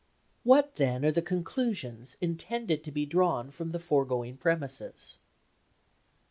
What, then, are the conclusions intended to be drawn from the foregoing premises? 1.